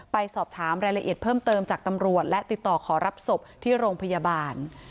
ไปสอบถามรายละเอียดเพิ่มเติมจากตำรวจและติดต่อขอรับศพที่โรงพยาบาล